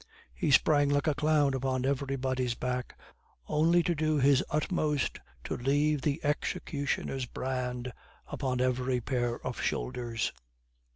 He sprang like a clown upon everybody's back, only to do his utmost to leave the executioner's brand upon every pair of shoulders.